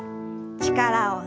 力を抜いて軽く。